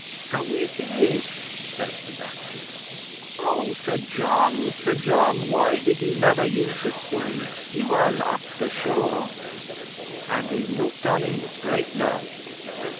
'"So it is," says Sebastian. "Oh, Sir John, Sir John, why did you never use the sea? You are lost ashore." And he looked on him with great love.